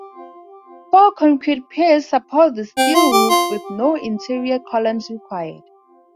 Four concrete piers support the steel roof, with no interior columns required.